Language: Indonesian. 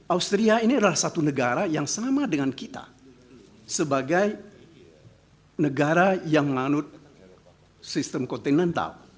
austria ini adalah satu negara yang sama dengan kita sebagai negara yang menganut sistem kontinental